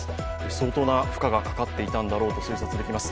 相当な負荷がかかっていたんだろうと推察できます。